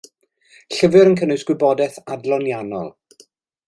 Llyfr yn cynnwys gwybodaeth adloniannol.